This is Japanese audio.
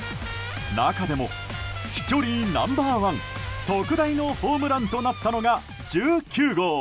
中でも飛距離ナンバー１特大のホームランとなったのが１９号。